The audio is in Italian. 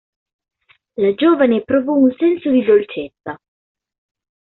La giovane provò un senso di dolcezza.